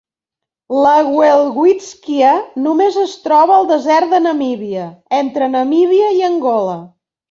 La welwítsquia només es troba al desert de Namíbia, entre Namíbia i Angola.